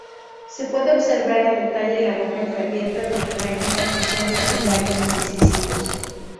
Se puede observar en detalle la boca entreabierta de la imagen apreciándose varios incisivos.